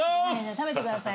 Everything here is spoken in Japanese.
食べてください